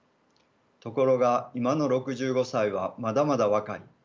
ところが今の６５歳はまだまだ若い。